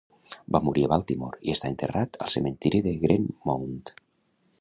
Va morir a Baltimore i està enterrat al cementiri de Greenmount.